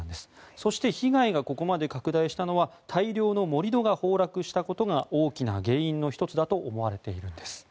そして被害がここまで拡大したのは大量の盛り土が崩落したことが大きな原因の１つだと思われているんです。